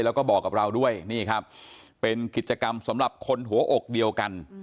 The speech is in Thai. แล้วก็บอกกับเราด้วยนี่ครับเป็นกิจกรรมสำหรับคนหัวอกเดียวกัน